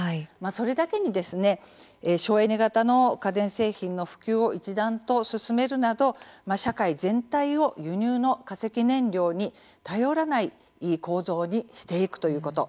それだけに省エネ型の家電製品の普及を一段と進めるなど社会全体を輸入の化石燃料に頼らない構造にしていくということ。